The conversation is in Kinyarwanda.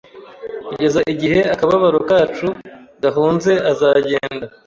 Kugeza igihe akababaro kacu gahunze azagenda